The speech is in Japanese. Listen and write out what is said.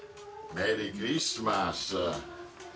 メリークリスマス。